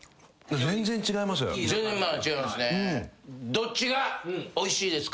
全然違います。